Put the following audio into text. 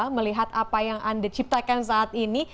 melihat apa yang anda ciptakan saat ini